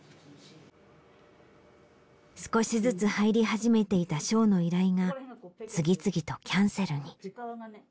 少しずつ入り始めていたショーの依頼が次々とキャンセルに。